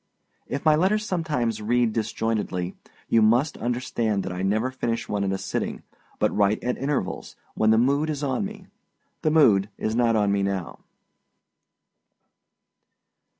If my letters sometimes read disjointedly, you must understand that I never finish one at a sitting, but write at intervals, when the mood is on me. The mood is not on me now.